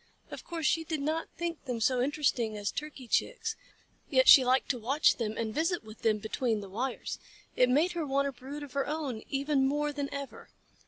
Of course she did not think them so interesting as Turkey Chicks, yet she liked to watch them and visit with them between the wires. It made her want a brood of her own even more than ever.